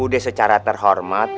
udah secara terhormat